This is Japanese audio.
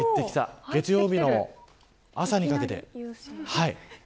月曜日の朝にかけて。